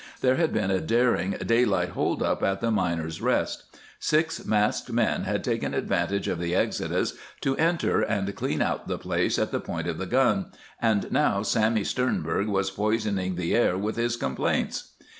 There had been a daring daylight hold up at the Miners' Rest. Six masked men had taken advantage of the exodus to enter and clean out the place at the point of the gun, and now Sammy Sternberg was poisoning the air with his complaints.